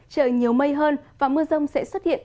trời nhiều mây hơn và mưa rông sẽ xuất hiện